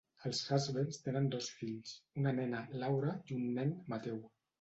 Els Husbands tenen dos fills: una nena, Laura, i un nen, Mateu.